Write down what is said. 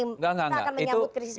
tidak akan menyangkut krisis pangan